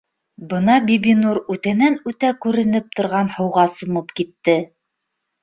Бына Бибинур үтәнән-үтә күренеп торған һыуға сумып китте